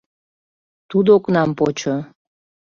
Тудо окнам почо.